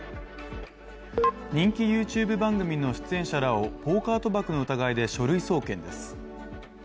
人気ＹｏｕＴｕｂｅ番組の出演者らをポーカー賭博の疑いで書類送検です。